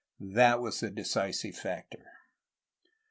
That was the decisive factor.